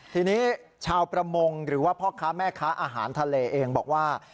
ทีนี้ชาวประมงหรือว่าพ่อค้าแม่ค้าอาหารทะเลเองบอกว่า